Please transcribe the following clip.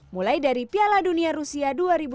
mulai dari piala dunia rusia dua ribu sembilan belas